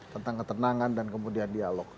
tentang ketenangan dan kemudian dialog